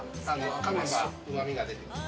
かめばうまみが出てくる。